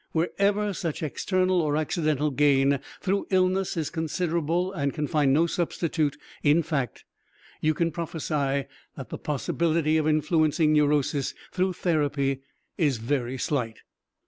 Wherever such external or accidental gain through illness is considerable and can find no substitute in fact, you can prophesy that the possibility of influencing neurosis through therapy is very slight.